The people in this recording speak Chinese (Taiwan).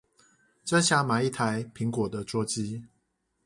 真想買一台蘋果的桌機